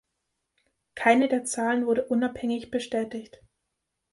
Keine der Zahlen wurde unabhängig bestätigt.